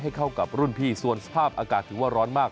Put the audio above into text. เข้ากับรุ่นพี่ส่วนสภาพอากาศถือว่าร้อนมาก